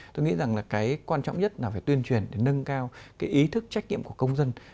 tôi nghĩ rằng là cái quan trọng nhất là phải tuyên truyền để nâng cao cái ý thức trách nhiệm của công dân